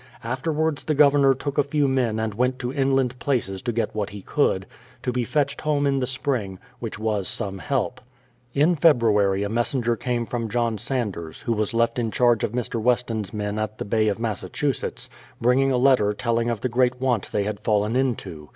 Afterwards the Governor took a few men and went to inland places to get what he could, to be fetched home in the spring, which was some help. In February a messenger came from John Sanders, who was left in charge of Mr. Weston's men at the Bay of Massachusetts, bringing a letter telling of the great want they had fallen into.